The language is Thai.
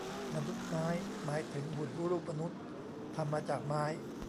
มนุษย์ไม้ หมายถึงหุ่นรูปมนุษย์ทำมาจากไม้